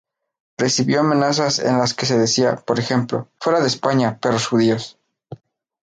Recibió amenazas en las que se decía, por ejemplo, ""¡Fuera de España, perros judíos!